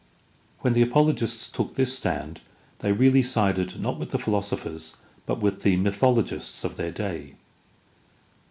When the apologists took this stand they really sided, not with the philosophers, but with the mythologists of their day.